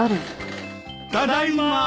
ただいま。